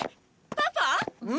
パパ！？